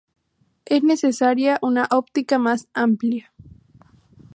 Es necesaria una óptica más amplia.